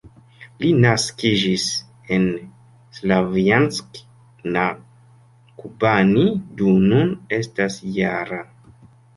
Li naskiĝis en Slavjansk-na-Kubani, do nun estas -jara.